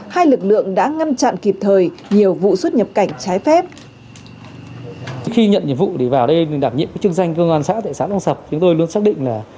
hai lực lượng đã ngăn chặn kịp thời nhiều vụ xuất nhập cảnh trái phép